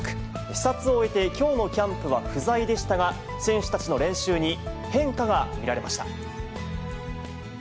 視察を終えて、きょうのキャンプは不在でしたが、選手たちの練習に変化が見られました。